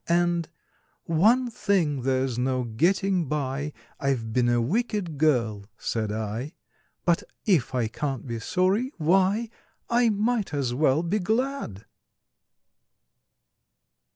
And, "One thing there's no getting by— I've been a wicked girl," said I; "But if I can't be sorry, why, I might as well be glad!"